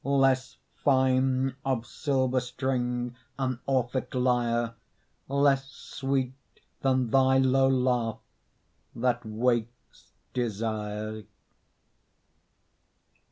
Less fine of silver string An Orphic lyre, Less sweet than thy low laugh That wakes desire.